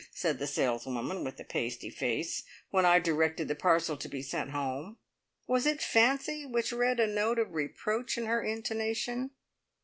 said the sales woman with the pasty face, when I directed the parcel to be sent home. Was it fancy which read a note of reproach in her intonation?